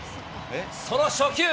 その初球。